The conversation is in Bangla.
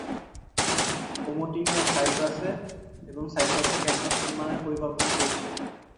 কোমোটিনি এবং সাইপ্রাসে ক্যাম্পাস নির্মাণের পরিকল্পনা চলছে।